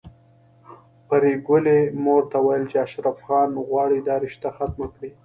پري ګلې مور ته ويل چې اشرف خان غواړي دا رشته ختمه کړي